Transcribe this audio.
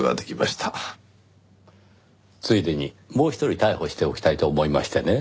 ついでにもう一人逮捕しておきたいと思いましてね。